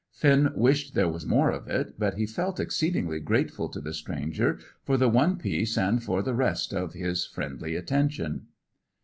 Finn wished there was more of it, but he felt exceedingly grateful to the stranger for the one piece and for the rest of his friendly attention.